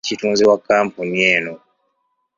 Nze kitunzi wa kkampuni eno.